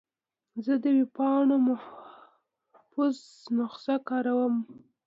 زه د ویب پاڼې محفوظ نسخه کاروم.